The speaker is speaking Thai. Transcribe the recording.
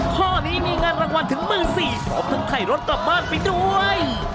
ข้อนี้มีเงินรางวัลถึง๑๔๐๐พร้อมทั้งไข่รถกลับบ้านไปด้วย